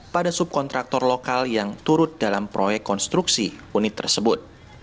pada subkontraktor lokal yang turut dalam proyek konstruksi unit tersebut